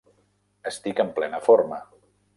Estic en plena forma.